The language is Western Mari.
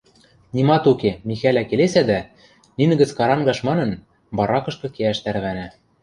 – Нимат уке, – Михӓлӓ келесӓ дӓ, нинӹ гӹц карангаш манын, баракышкы кеӓш тӓрвӓнӓ.